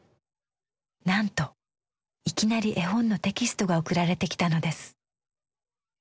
なんといきなり絵本のテキストが送られてきたのです。